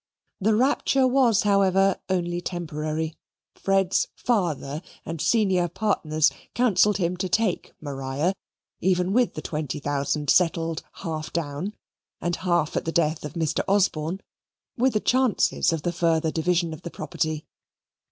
The rapture was, however, only temporary. Fred's father and senior partners counselled him to take Maria, even with the twenty thousand settled, half down, and half at the death of Mr. Osborne, with the chances of the further division of the property.